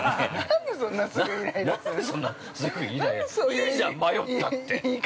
◆いいじゃん、迷ったって。